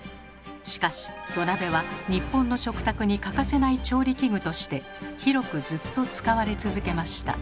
しかし土鍋は日本の食卓に欠かせない調理器具として広くずっと使われ続けました。